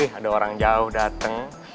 wih ada orang jauh dateng